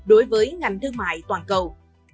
đối với ngành thương mại toàn cầu